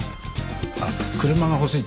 あっ車が欲しいって。